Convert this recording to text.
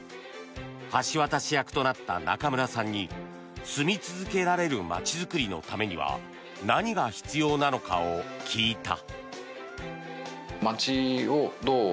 橋渡し役となった中村さんに「住み続けられるまちづくり」のためには何が必要なのかを聞いた。